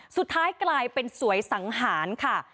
สุดท้ายกลายเป็นสวยสังหารค่ะ